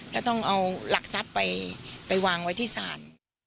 ก็ต้องเอาหลักทรัพย์ไปวางไว้ที่ศาล